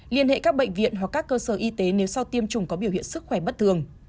liên hệ các bệnh viện hoặc các cơ sở y tế nếu sau tiêm chủng có biểu hiện sức khỏe bất thường